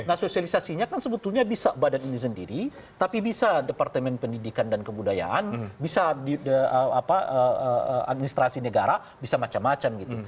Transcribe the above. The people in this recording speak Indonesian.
nah sosialisasinya kan sebetulnya bisa badan ini sendiri tapi bisa departemen pendidikan dan kebudayaan bisa administrasi negara bisa macam macam gitu